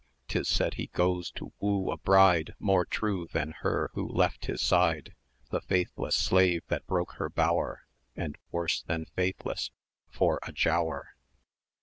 'Tis said he goes to woo a bride More true than her who left his side; The faithless slave that broke her bower, And worse than faithless for a Giaour!